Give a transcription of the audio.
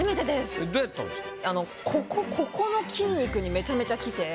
どうやったんですか？